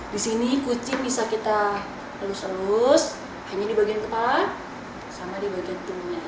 disini kucing bisa kita lulus lulus hanya di bagian kepala sama di bagian tubuhnya saja